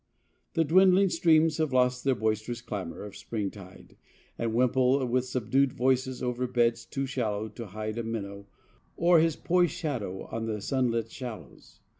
The dwindling streams have lost their boisterous clamor of springtide and wimple with subdued voices over beds too shallow to hide a minnow or his poised shadow on the sunlit shallows.